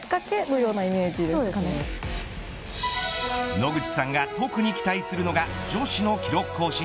野口さんが特に期待するのが女子の記録更新。